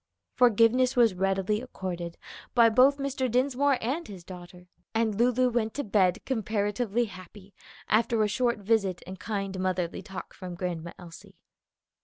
Forgiveness was readily accorded by both Mr. Dinsmore and his daughter, and Lulu went to bed comparatively happy after a short visit and kind motherly talk from Grandma Elsie.